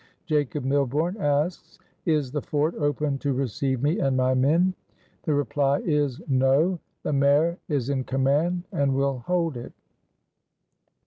Jacob Milborne asks: 'Is the fort open to receive me and my men?' The reply is: 'No, the Mayor is in command and will hold it.'"